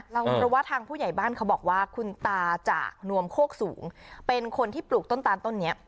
เพราะว่าทางผู้ใหญ่บ้านเขาบอกว่าคุณตาจากนวมโคกสูงเป็นคนที่ปลูกต้นตาลต้นนี้